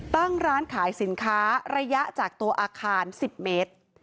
ตั้งร้านขายสินค้าระยะจากตัวอาคาร๑๐เมตร